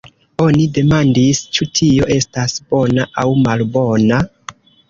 Oni demandis: Ĉu tio estas bona aŭ malbona?